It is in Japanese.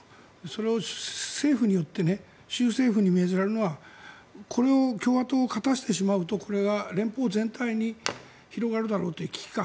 それを政府によって州政府に命じられるのはこれを共和党を勝たせてしまうと連邦全体に広がるだろうという危機感。